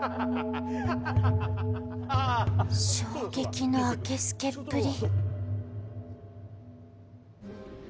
衝撃のあけすけっぷり！